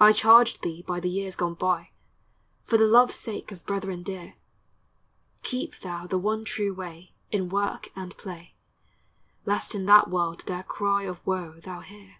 I charge thee by the years gone by, For the love's sake of brethren dear, Keep thou the one true way, In work and play, Lest in that world their cry Of woe thou hear.